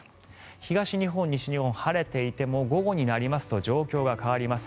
東日本、西日本晴れていても午後になりますと状況が変わります。